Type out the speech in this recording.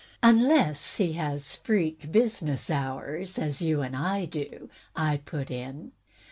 ''Unless he has freak business hours, as you and I do," I put in.